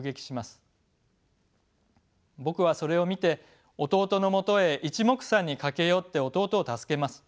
僕はそれを見て弟のもとへいちもくさんに駆け寄って弟を助けます。